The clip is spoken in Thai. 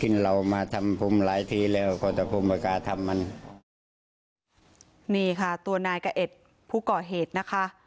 นี่ค่ะตัวนายกะเอ็ดผู้ก่อเหตุนะคะ